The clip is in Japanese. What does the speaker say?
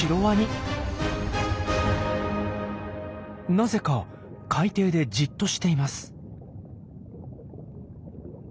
なぜか海底でじっとしています。